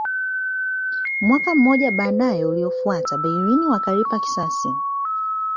mwaka mmoja baadaye uliofuata bayern wakalipa kisasi